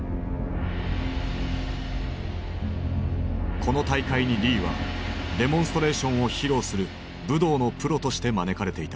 この大会にリーはデモンストレーションを披露する武道のプロとして招かれていた。